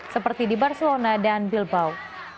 seperti di barcelona dan bilbau